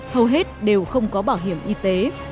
hầu hết đều không có bảo hiểm y tế